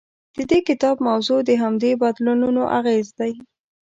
د دې کتاب موضوع د همدې بدلونونو اغېز دی.